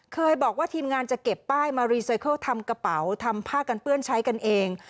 เคยบอกว่าทีมงานจะเก็บป้ายมารีไซเคิลทำกระเป๋าทำผ้ากันเปื้อนใช้กันเอง